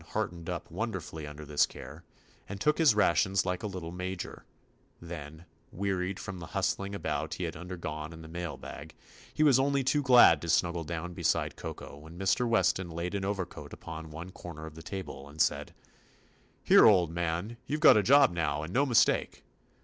The kitten heartened up wonderfully under this care, and took his rations like a little major; then, wearied from the hus tling about he had undergone in the mail bag, he was only too glad to snuggle down beside Koko when Mr. Weston laid an overcoat upon one corner of the table and said: "Here, old man, you 've got a job now, and no mistake.